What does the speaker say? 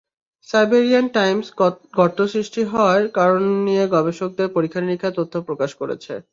Siberian Times গর্ত সৃষ্টি হওয়ার কারণ নিয়ে গবেষকদের পরীক্ষা-নিরীক্ষার তথ্য প্রকাশ করেছে।